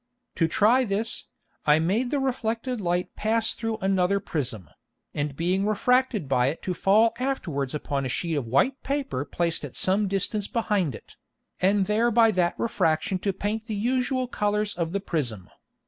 To try this, I made the reflected Light pass through another Prism, and being refracted by it to fall afterwards upon a Sheet of white Paper placed at some distance behind it, and there by that Refraction to paint the usual Colours of the Prism.